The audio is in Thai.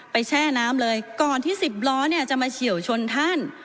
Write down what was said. แช่น้ำเลยก่อนที่๑๐ล้อเนี่ยจะมาเฉียวชนท่าน